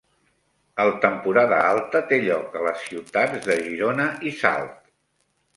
El Temporada Alta té lloc a les ciutats de Girona i Salt.